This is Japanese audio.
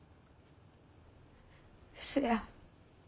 うそや。